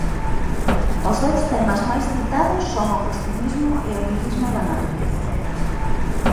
Os dous temas máis citados son o costumismo e o lirismo da natureza.